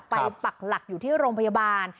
ปักหลักอยู่ที่โรงพยาบาล